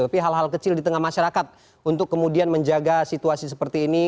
tapi hal hal kecil di tengah masyarakat untuk kemudian menjaga situasi seperti ini